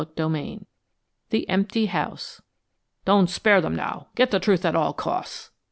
CHAPTER XIII THE EMPTY HOUSE "Don't spare them now. Get the truth at all costs."